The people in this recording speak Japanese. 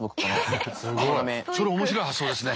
それ面白い発想ですね。